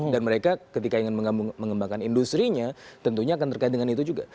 dan mereka ketika ingin mengembangkan industri nya tentunya akan terkait dengan itu juga